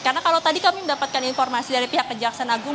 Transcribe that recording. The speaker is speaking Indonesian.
karena kalau tadi kami mendapatkan informasi dari pihak kejaksaan agung